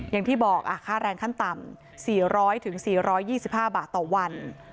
อย่างที่บอกน่ะค่าแรงขั้นต่ำสี่ร้อยถึงสี่ร้อยยี่สิบห้าบาทต่อวัน